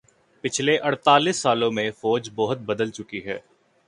پچھلے اڑتالیس سالوں میں فوج بہت بدل چکی ہے